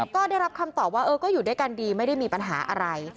ก็ได้รับคำตอบว่าก็อยู่ด้วยกันดีไม่ได้มีปัญหาอะไร